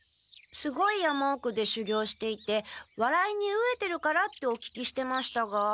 すごい山おくでしゅぎょうしていてわらいにうえてるからってお聞きしてましたが。